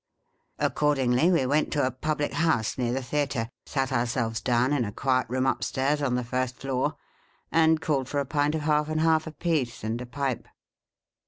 Accord ingly, we went to a public house, near the Theatre, sat ourselves down in a quiet room upstairs on the first floor, and called for a pint of half and half, a piece, and a pipe.